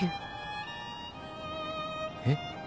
えっ。